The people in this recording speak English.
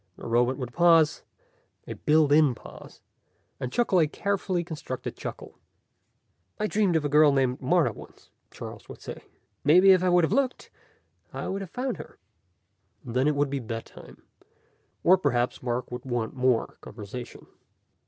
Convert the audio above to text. The robot would pause a built in pause and chuckle a carefully constructed chuckle. "I dreamed of a girl named Martha once," Charles would say. "Maybe if I would have looked, I would have found her." And then it would be bedtime. Or perhaps Mark would want more conversation.